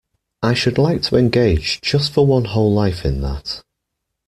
I should like to engage just for one whole life in that.